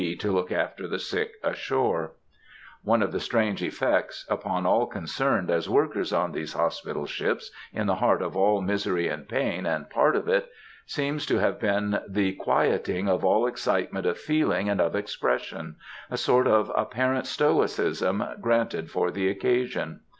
to look after the sick ashore. One of the strange effects, upon all concerned as workers on these hospital ships, in the heart of all misery and pain, and part of it, seems to have been the quieting of all excitement of feeling and of expression,—a sort of apparent stoicism granted for the occasion.